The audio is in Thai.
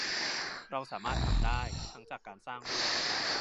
เราสามารถทำได้ทั้งจากการสร้างด้วย